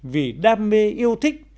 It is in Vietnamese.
vì đam mê yêu thích